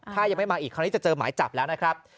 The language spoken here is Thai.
ถ้ายังไม่มาอีกคราวนี้จะเจอหมายจับแล้วนะครับ